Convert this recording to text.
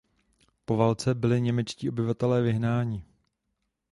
Po válce byli němečtí obyvatelé vyhnáni.